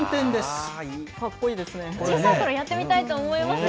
小さいころ、やってみたいと思いましたよね。